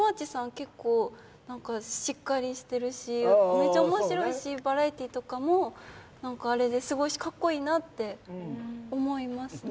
結構しっかりしてるしめっちゃ面白いしバラエティーとかも何かあれですごいしかっこいいなって思いますね